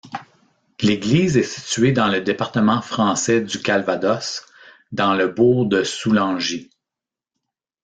L'église est située dans le département français du Calvados, dans le bourg de Soulangy.